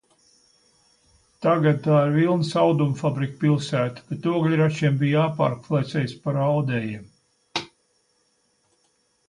Tagad tā ir vilnas audumu fabriku pilsēta, bet ogļračiem bija jāpārkvalificējas par audējiem.